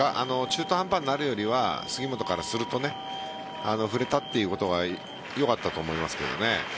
中途半端になるよりは杉本からすると振れたということがよかったと思いますけどね。